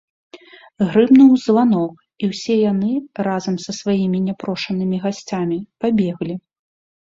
Грымнуў званок, і ўсе яны, разам са сваімі няпрошанымі гасцямі, пабеглі.